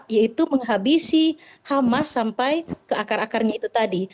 yaitu menghabisi hamas sampai ke akar akarnya itu tadi